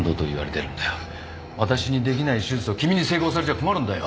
私に出来ない手術を君に成功されちゃ困るんだよ。